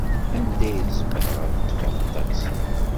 Anda ay zemreɣ ad ḍḍfeɣ aṭaksi?